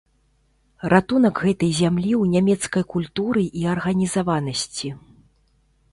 Ратунак гэтай зямлі ў нямецкай культуры і арганізаванасці.